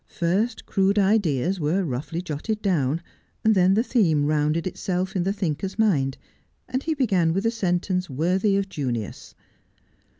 First crude ideas were roughly jotted down, then the theme rounded itself in the thinker's mind and he began with a sentence worthy of Junius.